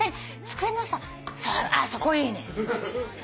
机のそこいいね。